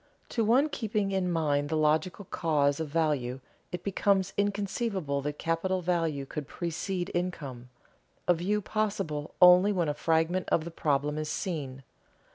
To one keeping in mind the logical cause of value, it becomes inconceivable that capital value could precede income, a view possible only when a fragment of the problem is seen.